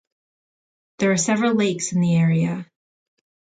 There are several lakes in the area.